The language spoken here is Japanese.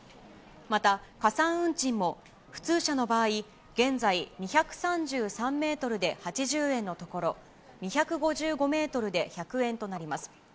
また、加算運賃も普通車の場合、現在、２３３メートルで８０円のところ、２５５メートルで１００円となります。